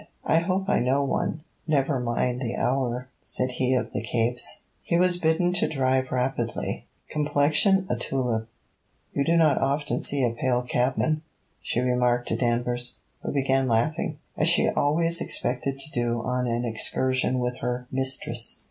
'I hope I know one, never mind the hour,' said he of the capes. He was bidden to drive rapidly. 'Complexion a tulip: you do not often see a pale cabman,' she remarked to Danvers, who began laughing, as she always expected to do on an excursion with her mistress.